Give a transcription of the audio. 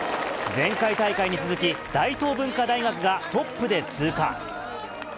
前回大会に続き、大東文化大学がトップで通過。